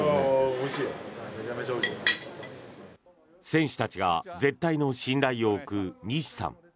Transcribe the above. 選手たちが絶対の信頼を置く西さん。